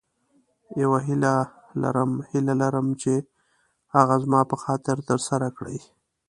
یوه هیله لرم هیله لرم چې هغه زما په خاطر تر سره کړې.